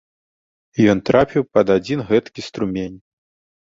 Ён трапіў пад адзін гэткі струмень.